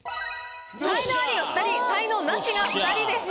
才能アリが２人才能ナシが２人です。